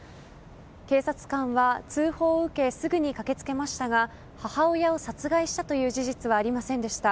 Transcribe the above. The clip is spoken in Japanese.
警察官は、通報を受けすぐに駆けつけましたが母親を殺害したという事実はありませんでした。